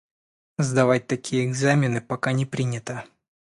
Сдавать такие экзамены пока не принято.